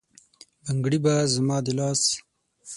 بنګړي به زما د لاس،